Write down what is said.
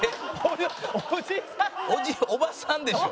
おじおばさんでしょ？